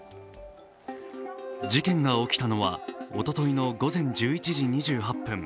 事件が起きたのはおとといの午前１１時２８分。